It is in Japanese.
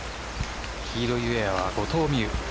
黄色いウエアは後藤未有。